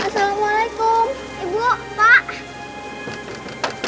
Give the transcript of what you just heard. assalamualaikum ibu pak